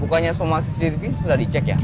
bukannya somasi cctv sudah dicek ya